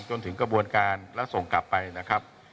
จนถึงกระบวนการแล้วส่งกลับไปนะครับ